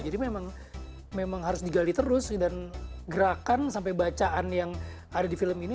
jadi memang harus digali terus dan gerakan sampai bacaan yang ada di film ini